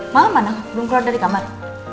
malam mana belum keluar dari kamar